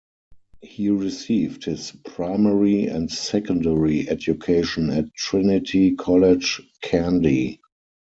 He received his primary and secondary education at Trinity College, Kandy.